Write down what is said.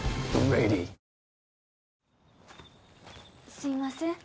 すいません